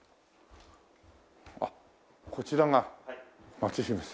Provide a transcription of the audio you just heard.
あっこちらが松姫様。